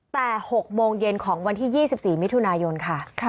แต่๖โมงเย็นของวันที่๒๔มิถุนายนค่ะ